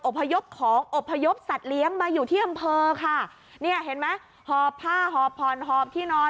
พยพของอบพยพสัตว์เลี้ยงมาอยู่ที่อำเภอค่ะเนี่ยเห็นไหมหอบผ้าหอบผ่อนหอบที่นอน